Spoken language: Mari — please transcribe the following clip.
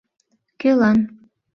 Кӧлан?!